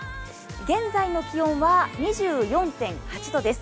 現在の気温は２４．８度です。